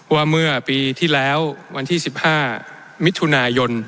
ว่าเมื่อปีที่แล้ววันที่๑๕มิถุนายน